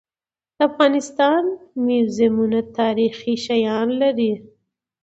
د افغانستان موزیمونه تاریخي شیان لري.